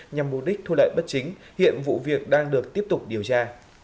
nhằm mục đích thu lợi bất chính hiện vụ việc đang được tiếp tục điều tra